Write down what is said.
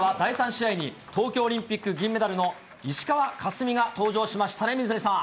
３試合に、東京オリンピック銀メダルの石川佳純が登場しましたね、水谷さん。